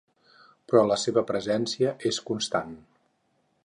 Però la seva presència és constant.